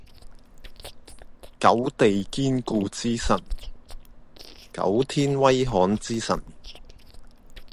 九地堅固之神，九天威悍之神